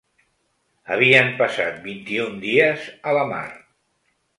Havien passat vint-i-un dies a la mar.